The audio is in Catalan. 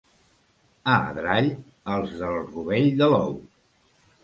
A Adrall, els del rovell de l'ou.